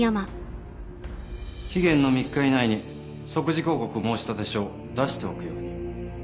期限の３日以内に即時抗告申立書を出しておくように。